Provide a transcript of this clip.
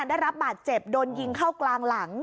ได้รับบาดเจ็บโดนยิงเข้ากลางหลัง